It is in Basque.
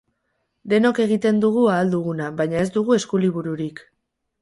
Denok egiten dugu ahal duguna, baina ez dugu eskulibururik.